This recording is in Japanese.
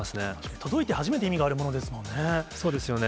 届いて初めて意味があるものそうですよね。